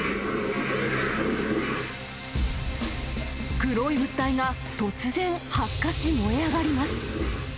黒い物体が突然発火し、燃え上がります。